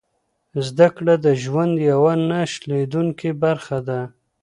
زده کړه د ژوند یوه نه شلېدونکې برخه ده.